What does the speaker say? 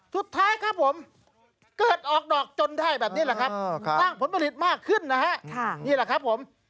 สุดท้ายครับผมเกิดออกดอกจนได้แบบนี้อ่ะครับ